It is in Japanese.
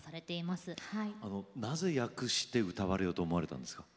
なぜ訳して歌われようと思われたんですか？